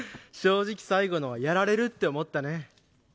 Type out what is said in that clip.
正直最後のはやられるって思ったね